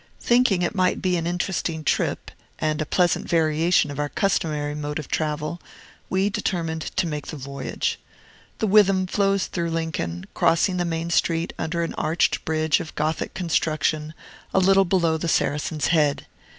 Thinking it might be an interesting trip, and a pleasant variation of our customary mode of travel, we determined to make the voyage. The Witham flows through Lincoln, crossing the main street under an arched bridge of Gothic construction, a little below the Saracen's Head.